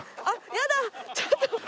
あっやだ！